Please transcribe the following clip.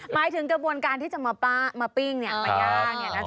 หมายถึงกระบวนการที่จะมาปิ้งมาย่าง